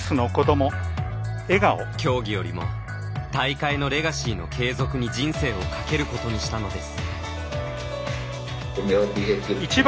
競技よりも大会のレガシーの継続に人生をかけることにしたのです。